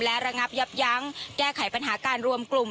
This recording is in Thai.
และระงับยับยั้งแก้ไขปัญหาการรวมกลุ่ม